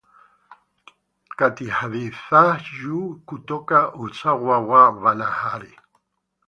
kati hadi za juu kutoka usawa wa bahari.